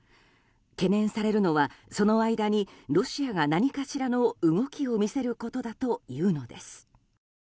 懸念されるのは、その間にロシアが何かしらの動きを見せることだというのです。